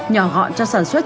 nhỏ gọn cho sản xuất